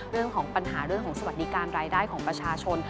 เรื่องของปัญหาเรื่องของสวัสดิการรายได้ของประชาชน